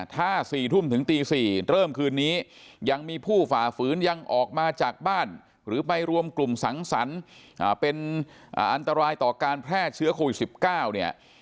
ถ้า๔ทุ่มถึงตี๔เริ่มคืนนี้ยังมีผู้ฝ่าฝืนยังออกมาจากบ้านหรือไปรวมกลุ่มสังสรรค์เป็นอันตรายต่อการแพร่เชื้อโควิด๑๙เนี่ย